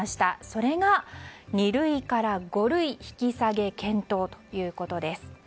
それが、二類から五類引き下げ検討ということです。